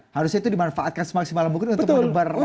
harusnya itu dimanfaatkan semaksimal mungkin untuk menebar